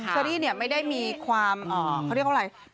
ใชรี่ไม่ได้มีความเขาเรียกว่าอย่างไร